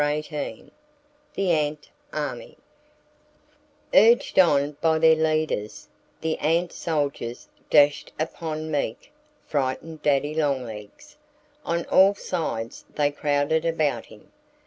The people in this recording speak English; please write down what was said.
XVIII THE ANT ARMY URGED on by their leaders, the ant soldiers dashed upon meek, frightened Daddy Longlegs. On all sides they crowded about him.